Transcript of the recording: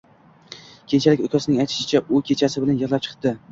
Keyinchalik ukasining aytishicha, u kechasi bilan yig`lab chiqibdi